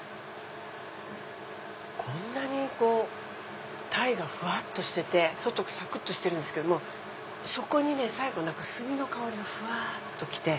こんなにタイがふわっとしてて外がさくっとしてるんですけども最後炭の香りがふわっと来て。